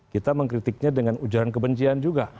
kita mengkritiknya dengan ujaran kebencian juga